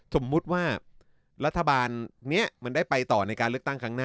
สมมุติว่ารัฐบาลนี้มันได้ไปต่อในการเลือกตั้งครั้งหน้า